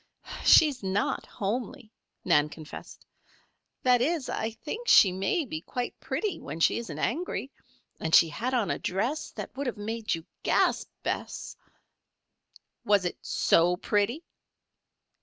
"She is not homely," Nan confessed. "That is, I think she may be quite pretty when she isn't angry. And she had on a dress that would have made you gasp, Bess." "Was it so pretty?"